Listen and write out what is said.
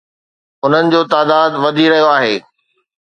انهن جو تعداد وڌي رهيو آهي